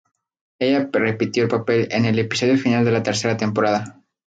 Ella repitió el papel en el episodio final de la tercera temporada.